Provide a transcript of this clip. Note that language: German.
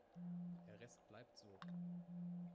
Der Rest bleibt so.